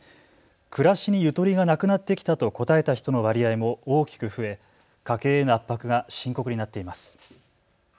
暮らしにゆとりがなくなってきたと答えた人の割合も大きく増え家計への圧迫が深刻になっています。